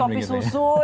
sembarangan begitu ya